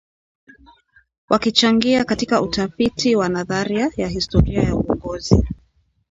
wakichangia katika utafiti wa nadharia ya historia ya uongozi